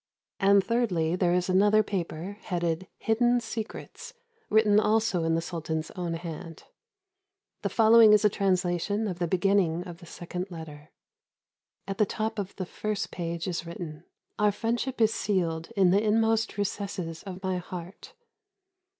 And thirdly there is another paper, headed "Hidden Secrets," written also in the Sultan's own hand. The following is a translation of the beginning of the second letter. At the top of the first page is written, "Our friendship is sealed in the inmost recesses of my heart."